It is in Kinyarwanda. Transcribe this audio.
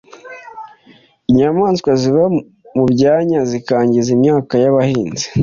Inyamaswa ziva mu byanya zikangiza imyaka y’abahinzi.